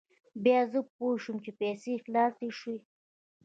بیا زه پوه شوم چې پیسې خلاصې شوې.